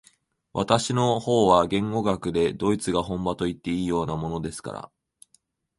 私の方は言語学でドイツが本場といっていいようなものですから、